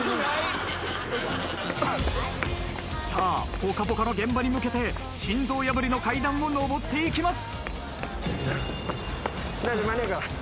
『ぽかぽか』の現場に向けて心臓破りの階段を上っていきます。